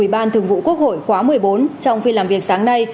ủy ban thường vụ quốc hội khóa một mươi bốn trong phiên làm việc sáng nay